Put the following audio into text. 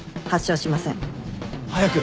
早く。